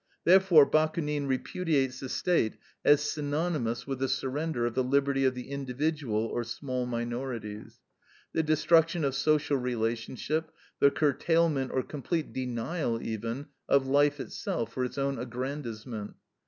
Therefore Bakunin repudiates the State as synonymous with the surrender of the liberty of the individual or small minorities, the destruction of social relationship, the curtailment, or complete denial even, of life itself, for its own aggrandizement.